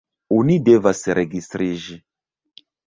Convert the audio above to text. Oni devas registriĝi.